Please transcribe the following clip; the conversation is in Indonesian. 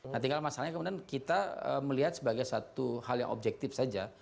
nah tinggal masalahnya kemudian kita melihat sebagai satu hal yang objektif saja